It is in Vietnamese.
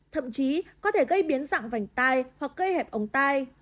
thậm chí có thể gây biến dạng vành tai hoặc gây hẹp ống tai